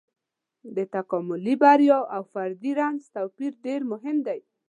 د تکاملي بریا او فردي رنځ توپير ډېر مهم دی.